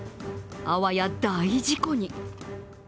あわや大事故に。